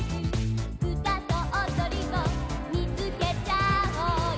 「うたとおどりを見つけちゃおうよ」